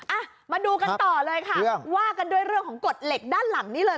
อ่ะมาดูกันต่อเลยค่ะว่ากันด้วยเรื่องของกฎเหล็กด้านหลังนี้เลย